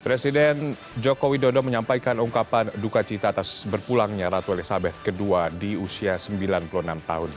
presiden joko widodo menyampaikan ungkapan duka cita atas berpulangnya ratu elizabeth ii di usia sembilan puluh enam tahun